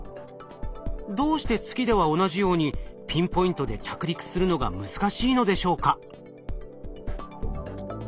どうして月では同じようにピンポイントで着陸するのが難しいのでしょうか？